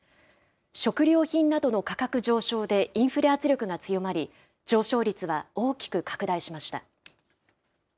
食料品などの価格上昇でインフレ圧力が強まり、上昇率は大きく拡大しました。